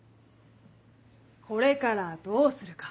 これからどうするか。